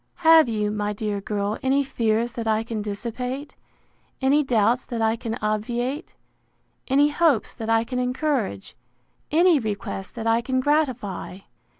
—Have you, my dear girl any fears that I can dissipate; any doubts that I can obviate; any hopes that I can encourage; any request that I can gratify?